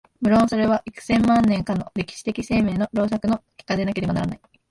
無論それは幾千万年かの歴史的生命の労作の結果でなければならない。